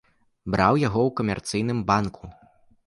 Браў яго ў камерцыйным банку.